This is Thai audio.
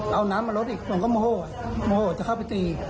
เอาน้ำมาลดอีกผมก็โมโหโมโหจะเข้าไปตี